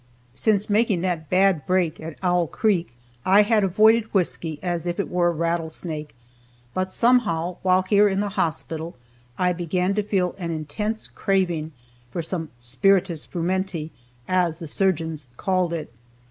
Since making that bad break at Owl Creek I had avoided whisky as if it were a rattlesnake, but somehow, while here in the hospital, I began to feel an intense craving for some "spiritus frumenti," as the surgeons called it.